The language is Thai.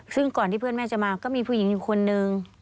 ซึ่งก่อนที่เพื่อนแม่จะมาก็มีผู้หญิงอยู่คนนึง